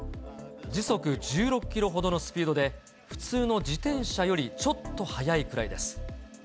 時速１６キロほどのスピードで、普通の自転車よりちょっと速いくらいです。